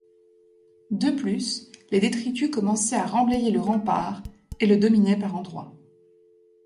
De plus, les détritus commençaient à remblayer le rempart et le dominaient par endroits.